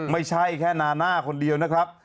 ไม่ใช่แค่นาน่าคนเดียวนะครับ